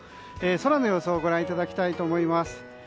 空の様子をご覧いただきたいと思います。